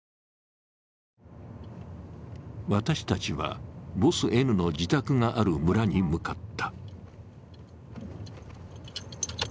私たちは、ボスＮの自宅がある村に向かった。